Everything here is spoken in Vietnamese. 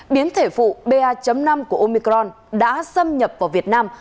biến thể phụ ba năm của omicron đã xâm nhập vào việt nam